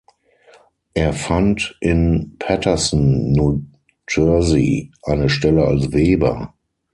Er fand in Paterson, New Jersey eine Stelle als Weber.